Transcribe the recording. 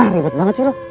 ribet banget sih lu